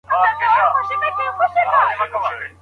آیا د پستې وني په غرونو کي شنې کېږي؟.